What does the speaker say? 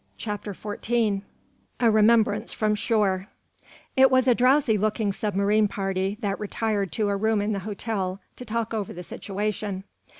CHAPTER XIV A REMEMBRANCE FROM SHORE It was a drowsy looking submarine party that retired to a room in the hotel to talk over the situation.